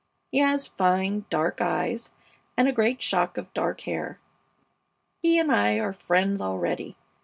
He has fine, dark eyes and a great shock of dark hair. He and I are friends already.